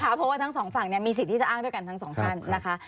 เพราะว่าทั้งสองฝั่งเนี่ยมีสิทธิ์ที่จะอ้างด้วยกันทั้งสองฟัง